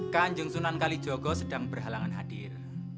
kanjung sunan kalijogo sedang berhalangan hadir